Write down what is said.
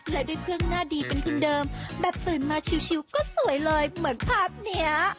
และด้วยเครื่องหน้าดีเป็นคนเดิมแบบตื่นมาชิวก็สวยเลยเหมือนภาพเนี้ย